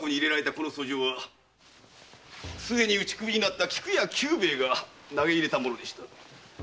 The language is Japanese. この訴状はすでに打首となった菊屋久兵衛が投げ入れたものでした。